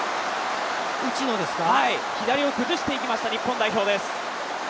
左を崩していきました、日本代表です。